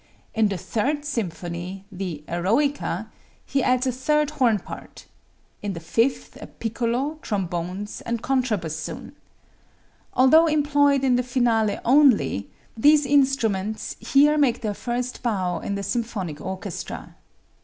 In the Third Symphony, the "Eroica," he adds a third horn part; in the Fifth a piccolo, trombones and contrabassoon. Although employed in the finale only, these instruments here make their first bow in the symphonic orchestra.